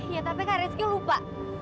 ya tapi kak reski lupa